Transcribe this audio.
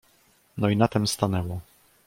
"No i na tem stanęło."